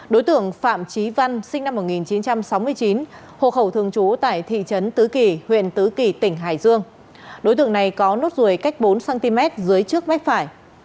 đối tượng phạm trí văn sinh năm một nghìn chín trăm sáu mươi chín hộ khẩu thường trú tại thị trấn tứ kỳ huyện tứ kỳ tỉnh hải dương đối tượng này có nốt ruồi cách bốn cm dưới trước mép phải